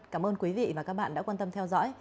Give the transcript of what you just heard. cảm ơn quý vị và các bạn đã quan tâm theo dõi